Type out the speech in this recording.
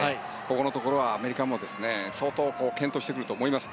ここのところは、アメリカも相当健闘してくると思います。